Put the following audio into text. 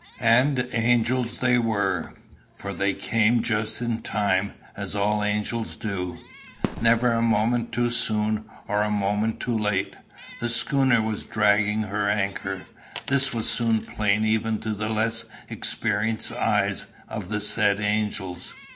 And angels they were, for they came just in time, as all angels do never a moment too soon or a moment too late: the schooner was dragging her anchor. This was soon plain even to the less experienced eyes of the said angels.